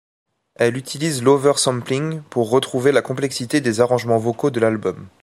Elle utilise l'oversampling pour retrouver la complexité des arrangements vocaux de l'album.